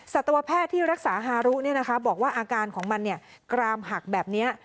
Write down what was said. สัตวแพทย์ที่รักษาฮารุบอกว่าอาการของมันกรามหักแบบนี้